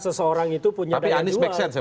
seseorang itu punya daya jual tapi anies make sense ya